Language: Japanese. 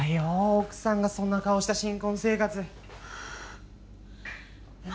奥さんがそんな顔した新婚生活ま